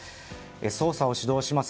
捜査を主導します